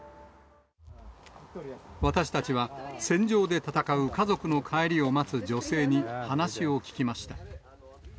私たちは、戦場で戦う家族の帰りを待つ女性に話を聞きました。